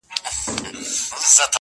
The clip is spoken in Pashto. چي مُلا دي راته لولي زه سلګی درته وهمه-